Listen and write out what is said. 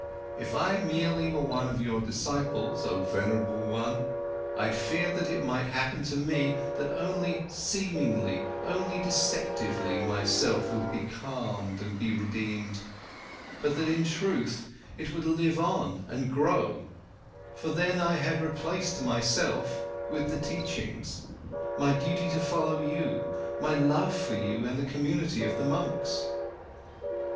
If I merely were one of your disciples, oh venerable one, I'd fear that it might happen to me that only seemingly, only deceptively my self would be calm and be redeemed, but that in truth it would live on and grow, for then I had replaced my self with the teachings, my duty to follow you, my love for you, and the community of the monks!"